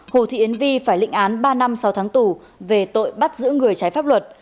hồ thị yến vi phải lịnh án ba năm sáu tháng tù về tội bắt giữ người trái pháp luật